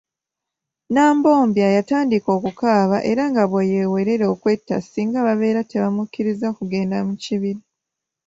Nambobya yatandika okukaaba era nga bweyeewerera okwetta singa babeera tebamukkiriza kugenda mu kibira.